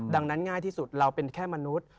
ดังนั้นง่ายที่สุดเราเป็นแค่มนุษย์